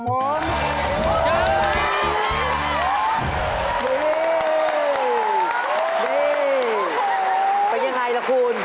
เป็นอย่างไรล่ะคุณ